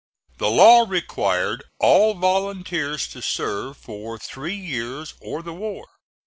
The law required all volunteers to serve for three years or the war.